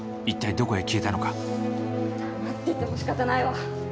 一体どこへ消えたのか待っててもしかたないわ。